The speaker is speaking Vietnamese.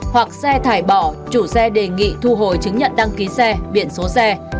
hoặc xe thải bỏ chủ xe đề nghị thu hồi chứng nhận đăng ký xe biển số xe